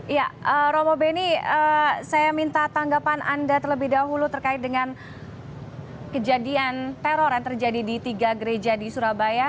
ya romo beni saya minta tanggapan anda terlebih dahulu terkait dengan kejadian teror yang terjadi di tiga gereja di surabaya